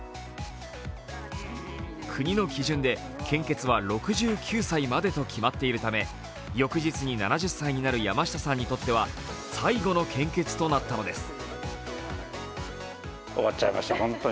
国の基準で献血は６９歳までと決まっているため翌日に７０歳になる山下さんにとっては最後の献血となったのです。